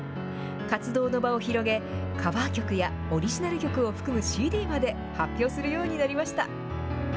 活動の場を広げ、カバー曲やオリジナル曲を含むＣＤまで発表するようになりました。